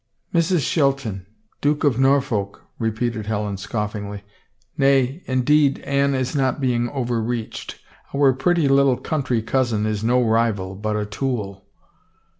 " Mrs. Shelton — Duke of Norfolk !" repeated Helen scoiBngly. " Nay, indeed Anne is not being overreached. Our pretty little country cousin is no rival, but a tool."